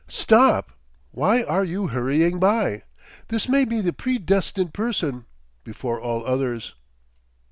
Stop! Why are you hurrying by? This may be the predestined person—before all others."